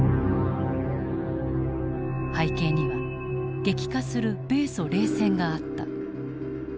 背景には激化する米ソ冷戦があった。